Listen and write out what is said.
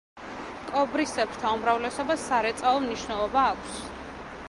კობრისებრთა უმრავლესობას სარეწაო მნიშვნელობა აქვს.